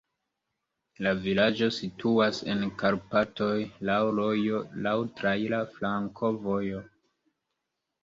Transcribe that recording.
La vilaĝo situas en Karpatoj, laŭ rojo, laŭ traira flankovojo.